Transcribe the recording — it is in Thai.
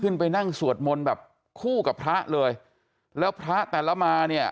ขึ้นไปนั่งสวดมนต์แบบคู่กับพระเลยแล้วพระแต่ละมาเนี่ย